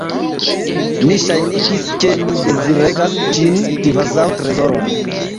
Mi ŝajnigis, ke mi deziregas ĝin, kvazaŭ trezoron.